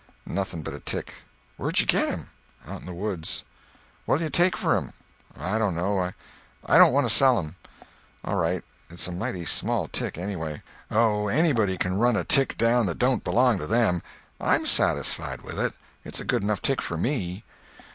"Nothing but a tick." "Where'd you get him?" "Out in the woods." "What'll you take for him?" "I don't know. I don't want to sell him." "All right. It's a mighty small tick, anyway." "Oh, anybody can run a tick down that don't belong to them. I'm satisfied with it. It's a good enough tick for me."